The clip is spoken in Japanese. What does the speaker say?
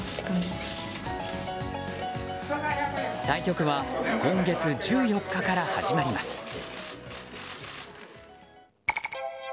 対局は今月１４日から始まります。